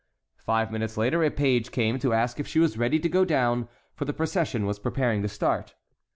Five minutes later a page came to ask if she was ready to go down, for the procession was preparing to start.